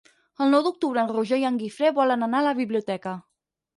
El nou d'octubre en Roger i en Guifré volen anar a la biblioteca.